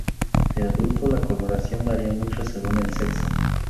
De adulto, la coloración varía mucho según el sexo.